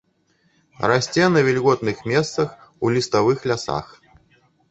Расце на вільготных месцах у ліставых лясах.